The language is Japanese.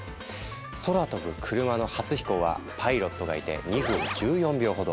空飛ぶ車の初飛行はパイロットがいて２分１４秒ほど。